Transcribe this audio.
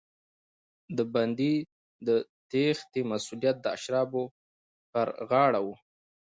د بندي د تېښتې مسوولیت د اشرافو پر غاړه و.